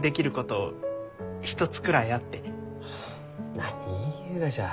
何言いゆうがじゃ？